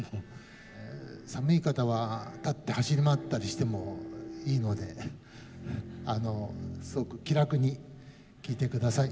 寒い方は立って走り回ったりしてもいいのですごく気楽に聴いてください。